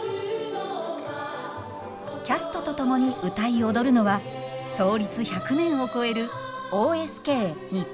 キャストと共に歌い踊るのは創立１００年を超えるＯＳＫ日本歌劇団。